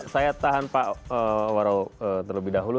saya tahan pak warau terlebih dahulu